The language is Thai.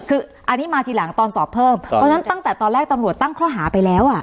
คืออันนี้มาทีหลังตอนสอบเพิ่มเพราะฉะนั้นตั้งแต่ตอนแรกตำรวจตั้งข้อหาไปแล้วอ่ะ